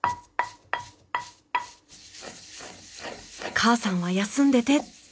母さんは休んでてって。